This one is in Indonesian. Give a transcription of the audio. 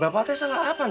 bapak terserah apa neng